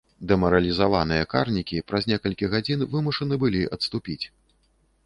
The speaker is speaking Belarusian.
Дэмаралізаваныя карнікі праз некалькі гадзін вымушаны былі адступіць.